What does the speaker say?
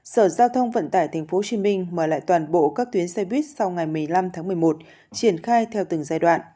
sở giao thông vận tải tp hcm mời lại toàn bộ các tuyến xe buýt sau ngày một mươi năm tháng một mươi một triển khai theo từng giai đoạn